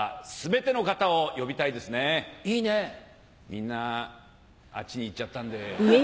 みんなあっちに行っちゃったんで。